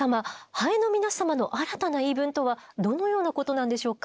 ハエの皆様の新たな言い分とはどのようなことなんでしょうか？